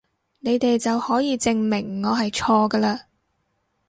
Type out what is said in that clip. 你哋就可以證明我係錯㗎嘞！